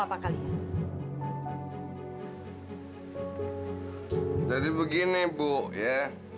gua ntar orangnya